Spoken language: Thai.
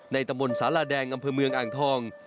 ตำบลสาราแดงอำเภอเมืองอ่างทอง